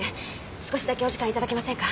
少しだけお時間頂けませんか？